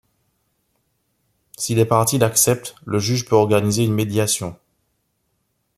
Si les parties l'acceptent, le juge peut organiser une médiation.